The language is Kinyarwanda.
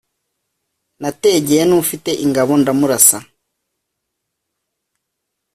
nategeye n’ufite ingabo ndamurasa,